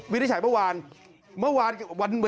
วิทย์ใช้เมื่อวาน